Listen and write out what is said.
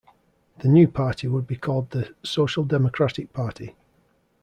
The new party would be called the Social Democratic Party.